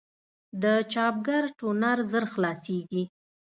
د چاپګر ټونر ژر خلاصېږي.